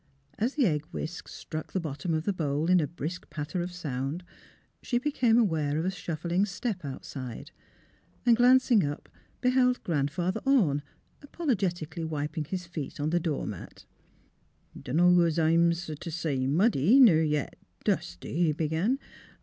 As the egg whisk struck the bottom of the bowl in a brisk patter of sound she became aware of a shufSing step outside, and glancing up beheld Grandfather Orne apologeti cally wiping his feet upon the door mat. " Dunno's I'm so t' say muddy, ner yet dusty," he began.